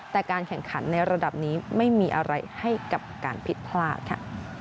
แต่การแข่งขันในระดับนี้ไม่มีอะไรให้กับการผิดพลาดค่ะ